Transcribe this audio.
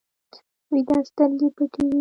ویده سترګې پټې وي